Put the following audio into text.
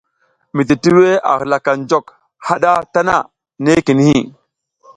Mititiwo a halaka njok haɗa tana nekini.